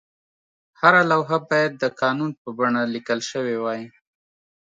هره لوحه باید د قانون په بڼه لیکل شوې وای.